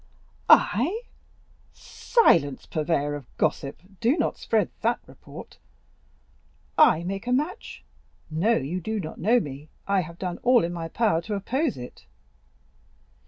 "I? Silence, purveyor of gossip, do not spread that report. I make a match? No, you do not know me; I have done all in my power to oppose it."